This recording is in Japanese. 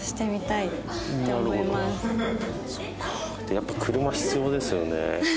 やっぱ車必要ですよね。